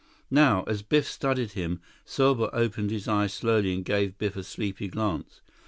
Now, as Biff studied him, Serbot opened his eyes slowly and gave Biff a sleepy glance.